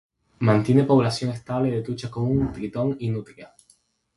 Mantiene población estable de trucha común, tritón y nutria.